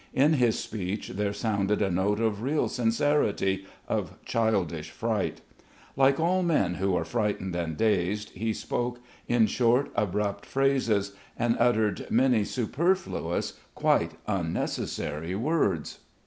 In his speech there sounded a note of real sincerity, of childish fright. Like all men who are frightened and dazed, he spoke in short, abrupt phrases and uttered many superfluous, quite unnecessary, words.